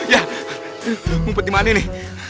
yah mumpet dimana ini